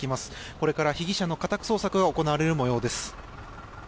これから被疑者の家宅捜索が行われる模様です。